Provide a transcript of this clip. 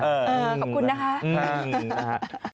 ขอบคุณนะคะ